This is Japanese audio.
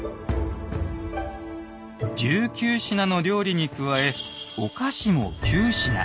１９品の料理に加えお菓子も９品。